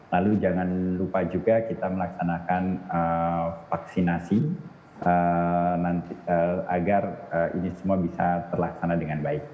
lalu jangan lupa juga kita melaksanakan vaksinasi agar ini semua bisa terlaksana dengan baik